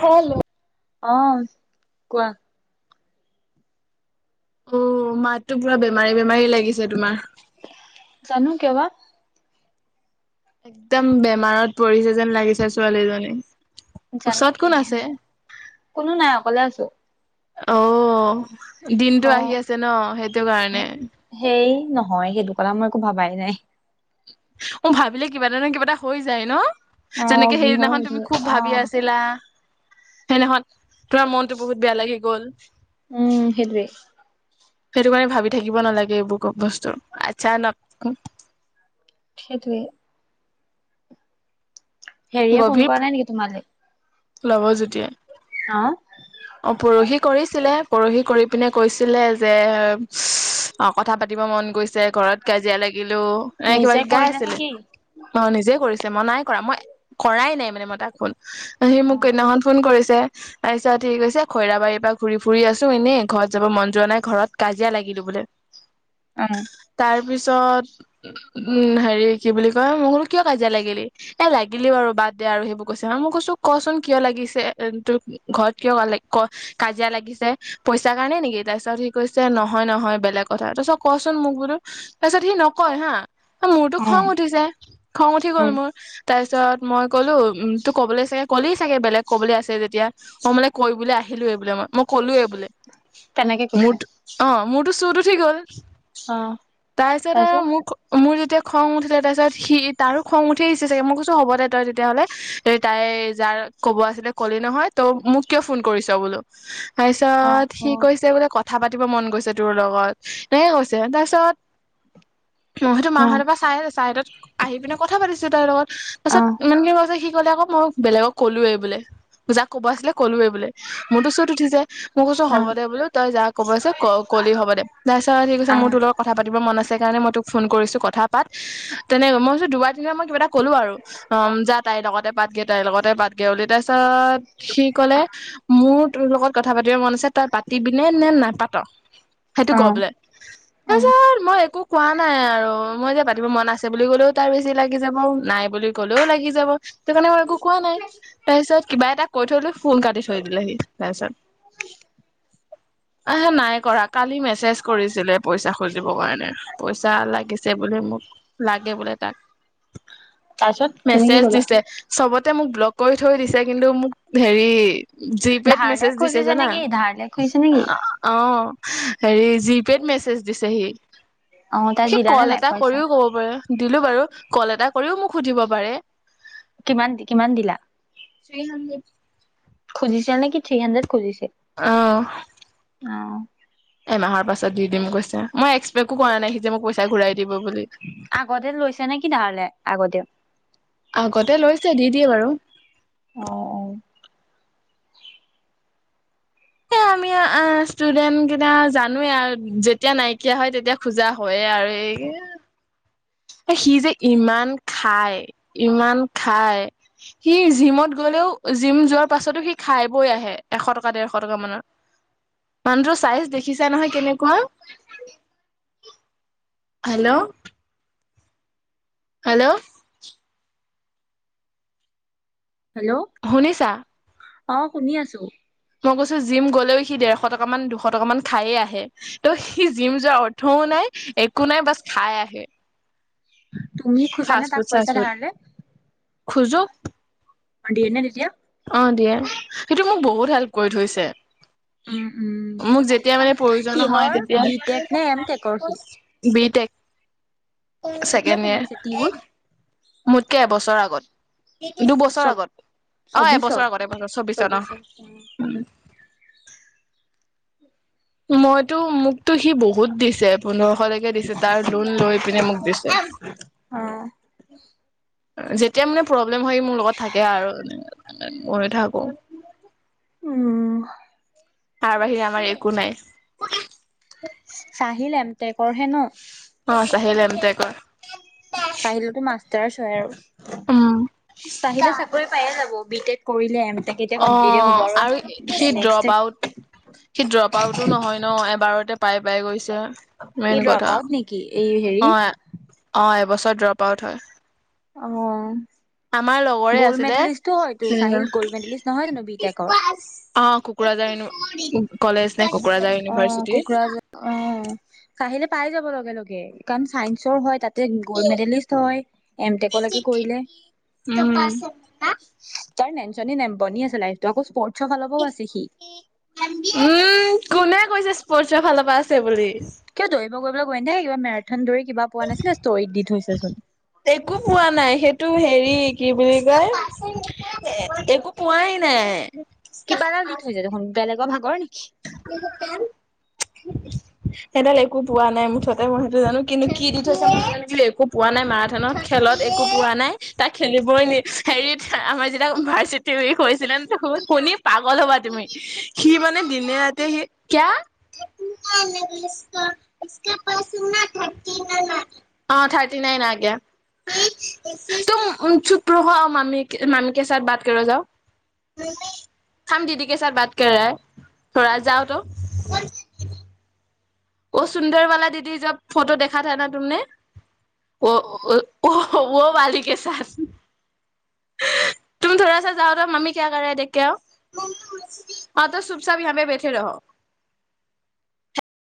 Hello? অ', কোৱা? অ', মাতটো পুৰা বেমাৰী-বেমাৰী লাগিছে তোমাৰ। জানো কিয় বা একদম বেমাৰত পৰিছে যেন লাগিছে ছোৱালীজনী। জানো ওচৰত কি কোন আছে কোনো নাই অকলে আছো। অ', দিনতটো অ আহি আছে ন? সেইটো কাৰণে। কৰা মই একো ভাবাই নাই। অ', ভাবিলে কিবা এটা ন কিবা এটা হৈ যায় ন? অ যেনেকে কি হয় সেইদিনাখন সেইটো তুমি খুব অ ভাবি আছিলা। সেনাখন তোমাৰ মনতটো বহুত বেয়া লাগি গ'ল। উম', সেইটোৱে। সেইটো কাৰণে ভাবি থাকিব নালাগে এইবোৰ ক বস্তু আচ্ছা নক। সেইটোৱে। হেৰিয়ে ফোন কৰা নাই নেকি তোমালে? লবজোতিয়ে, অ পৰহি কৰিছিলে। পৰহি কৰি পিনে কৈছিলে যে অ, কথা পাতিব মন গৈছে ঘৰত কাজিয়া লাগি লিলো এ কিবা নিজে গাই কৰিলে নে আছিলে। কি অ' নিজে কৰিছিলে। মই নাই কৰা, মই কৰাই নাই মানে মই তাক ফোন। সি অ মোক হেদিখন ফোন কৰিছে ত পিছত সেই কৈছে, খৈৰা বাৰীৰ পৰা ঘুৰি ফুৰি আছো এনেই ঘৰত যাব মন যোৱা নাই ঘৰত কাজিয়া লাগি লবৰে অ'। তাৰ পিছত উম, হেৰি কি বুলি কয় ম'কলো কিয় কাজিয়া লাগিলি? এ লাগিলি বাৰু বাদ দে আৰু সেইবোৰ কৈছে ন মই কৈছো ক'চোন কিয় লাগিছে, তোৰ ঘৰত কিয় ক কাজিয়া লাগিছে পইচাৰ কাৰণে নেকি? তাৰ পিছত সি কৈছে নহয়-নহয় বেলেগ কথা তাৰ পিছত কচোন মোক বোলো তাৰ পিছত সি নকয় হা। মোৰতো অ খং উঠিছে, খং উঠি অ গ'ল মোৰ। তাৰপিছত মই ক'লো উম, তো ক'বলৈ চাগে ক'লেই চাগে বেলেগ ক'বলৈ আছে যেতিয়া মই মানে কৈ ব বুলি আহিলো এই বোলে মই। মই কলো এই বোলে। তেনেকে কৈছে অ', মোৰতো চুত ঠিক গ'ল অ তাৰপিছত আৰু মোক, মোৰ য তেতিয়া খং উঠিলে ত-তাৰপিছত সি তাৰো খং উঠি আহছে চাগে মই কৈছো হ'ব দে তই তেতিয়াহ'লে এ তাই যাৰ ক'ব আছিলে ক'লে নহয় তই মোক কিয় ফোন কৰিছ বোলো? তাৰ অ পিছত সি অ কৈছে বোলে কথা পা পাতিব মন গৈছে তোৰ লগত। এনেকে কৈছে তাৰপিছত মই সতো অ মাহত পৰা চাই চাইদ'ত আহি পিনে কথা পাতিছো তাইৰ লগত। তাৰপিছত আহ ইমানকে ক'ওঁ যে সি ক'লে আকৌ মই বেলেগক ক'লোৱে বোলে। যাক ক'ব আছিলে ক'লোএ বোলে মোৰতো চুত উঠিছে, মই কৈছো অ অ হ'ব দে বোলো তই যা কব আছে কলি হ'ব দে। তাছত কৈছে মোৰ তোৰ লগত কথা পাটিব মন আছিল মই টোক ফু'ন কৰিছো কথাপাত তেনেকে মই দুবাৰ তিনিবাৰ মান কিবা এটা ক'লো আৰু তাইৰ লগতে পাতগে তাইৰ লগতে পাতগে বুলি। তাৰপিছত সি ক'লে মোৰ তোৰ লগত কথা পাতিব মন আছে তই পাতিবি নে নেপাত? সেইটো অ ক বোলে। অ তাৰপিছত মই একো কোৱা নাই আৰু মই মানে পাটিব মন আছে বুলি কলেও তাৰ বেছি লাগি যাব, নাই বুলি কলেও লাগি যাব, সেইটো কাৰণে মই একো কোৱা নাই। তাৰপিছত কিবা এটা কৈ থৈ লৈ ফোন কাটি থৈ দিলে সি তাৰপিছত আহে নাই কৰা কালি মেছেজ কৰিছিলে পইচা খুজিব কাৰণে। পইচা যা লাগিছে বুলে মোক লাগে বোলে তাক। তাৰপিছত তুমি কি মেছেজ ক'লা দিছে চবতে মোক ব্লক কৰি থৈ দিছে কিন্তু মোক হেৰি জিপেত ধাৰ লে মেছেজ দিছে খুজিছে জানা? নেকি ধাৰ লে খুজিছে নেকি অ'। হেৰি জিপেত মেছেজ দিছে হি। অ তাই সি দিলা নে ক'ল নাই এটা পইচা কৰিও ক'ব পাৰে, দিলো বাৰু। কল এটা কৰিও মোক সুধিব পাৰে। কিমান-কিমান দিলা? Three hundred. খুজিছে নে কি থ্ৰি হানড্ৰেত খুজিছে? অ'। এমাহৰ পাছত দি দিম গৈছে মই এক্সপেকো কৰা নাই সি যে মই পইচা ঘূৰাই দি আগতে লৈছে নে কি ধাৰলে, আগতে? আগতে লৈছে দি দিয়ে বাৰু। অ'- অ'। [inaudible] অ', ষ্টুডেণ্ট কেইটা জানোৱেই আৰু যেতিয়া নাইকিয়া হয় তেতিয়া খোজা হয়য়ে আৰু এই কি স [inaudible] সি যে ইমান খায়, ইমান খায়, সি জিমত গলেও জিম যোৱাৰ পাছতো সি খাই বই আহে এশ টকা দেৰশ টকা মানৰ। মানুহটোৰ চাইজ দেখিছা নহয় কেনেকুৱা। হেল্ল'? হেল্ল'? হেল্ল' শুনিছা? অ', শুনি আছো। মই কৈছো জিম গ'লেও সি দেৰশ টকা মান দুশ টকা মান খাই আহে। ত' সি জিম যোৱাৰ অৰ্থও নাই একো নাই বছ খাই আহে। তুমি খোজানে ফাষ্ট তাক ফুড চাষ্ট পইচা ফুড ধাৰলে? খোজো। অ দিয়ে নে তেতিয়া অ' দিয়ে, সিটো মোক বহুত হেল্প কৰি থৈছে। হয় [unintelligible] উম'-উম'। মোক যেতিয়া মানে প্ৰয়োজন হয় কিহৰ, তেতিয়া বি টেক নে এম টেকৰ সি? বি টেক সি কেতিয়া ছেকেণ্ড সোমাইছে টিউত ইয়েৰ। মোতকে এবছৰ আগত। চ দুবছৰ আগত। অ', এবছৰ চৌবিশত আগত-এবছৰ চৌবিশত অ', উম। মইতো মোকতো সি বহুত দিছে। পোন্ধৰশলৈকে দিছে তাৰ লোন লৈ পিনে মোক দিছে। অ যেতিয়া মানে প্ৰব্লেম হয় মোৰ লগত থাকে আৰু মই থাকো। উম'। তাৰ বাহিৰে আমাৰ একো নাই। চাহিল এম টেকৰহে ন? অ', চেহল এম্ টেকৰ। চাহিলতো মাষ্টাৰ্চ হয় আৰু, উম চাহিলে চাকৰি পায়ে যাব। বি টেড কৰিলে এম টেক এতিয়া অ', কমপ্লিটে হ'ব আৰু সি নেক্সট ড্ৰপ এই আউট, সি ড্ৰপ আউটটো নহয় ন? বাৰ টে পাই গৈছে মেইন ড্ৰপ কথা আউট নেকি এই হেৰি অ অ এবছৰ। ড্ৰপ আউট হয়। অ উম। আমাৰ লগৰে আছিলে উম। চাহিল গ'ল্ড মেডেলিষ্ট নহয় জানো বি টেকৰ অ কোকৰাঝাৰ ইনু কলেজ। কোকৰাঝাৰ অ ইউনিভাৰ্চিটিৰ। আহিলে পাই যাব লগে লগে কাৰণ চাই চ হয় তাতে গ'ল্ড মেডেলিষ্ট হয় এমটেকলৈকে কৰিলে। পাইছ না তাৰ নেনচনী নেমপনি আছে লাইফ আকৌ স্পৰ্টছৰ ফালৰ পৰাও আছে সি উম কোনে কৈছে স্পৰ্টছৰ ফালৰ পৰা আছে বুলি। কিয় দৌৰিব গৈ পেলাই কিবা মেৰাথন দৌৰি কিবা পোৱা নাছিলে ষ্টৰিত দি ফুৰিছিলে। একো পোৱা নাই সেইটো হেৰি কি বুলি কয় একো পোৱাই নাই কিবা এডাল দি যায় দেখোন বেলেগৰ ভাগত কাম সেইডাল একো পোৱা নাই মুঠতে মই সেইটো জানো কিন্তু কি দি থৈছে ক একো পোৱা নাই মাৰাথানাত। একো পোৱা নাই তাক খেলিবই নি হেৰিত আমাৰ যেতিয়া ইউনিভাৰ্চিটি উইক হৈছিলে। শুনি পাগল হবা তুমি সি মানে দিনে ৰাতিয়ে সি কিয়া। অ থাৰটি নাইন। আগয়া তুম চুপ ৰহৌ মামী মামী কে চাত বাত কৰৌ যাও। হিম দিদি কে চাত বাত কৰাহে। থৰা যাউতো অ সুন্দৰ বালা দিদি যব ফটো দেখা থা না তুমনে। অ বালি কে চাথ। উ [unintelligible] তুম ধৰা চা যাও ত মামি কিয় কৰা দেখেও। অ ত চুব চাব ইহা পে বেঠে ৰাহৌ। স [unintelligible]